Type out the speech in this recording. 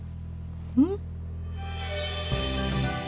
うん。